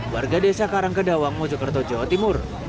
warga desa karangkedawang mojokerto jawa timur